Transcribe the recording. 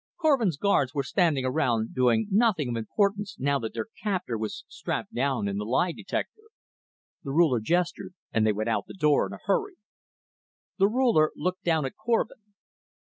Korvin's guards were standing around doing nothing of importance now that their captor was strapped down in the lie detector. The Ruler gestured and they went out the door in a hurry. The Ruler looked down at Korvin.